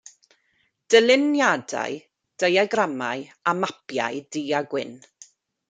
Dyluniadau, diagramau a mapiau du-a-gwyn.